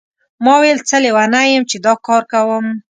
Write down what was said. ما ویل څه لیونی یم چې دا کار کوم.